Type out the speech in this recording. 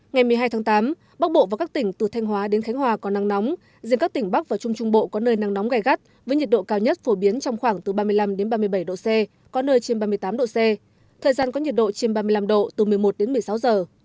ngày một mươi hai tháng tám bắc bộ và các tỉnh từ thanh hóa đến khánh hòa có nắng nóng riêng các tỉnh bắc và trung trung bộ có nơi nắng nóng gai gắt với nhiệt độ cao nhất phổ biến trong khoảng từ ba mươi năm ba mươi bảy độ c có nơi trên ba mươi tám độ c thời gian có nhiệt độ trên ba mươi năm độ từ một mươi một đến một mươi sáu giờ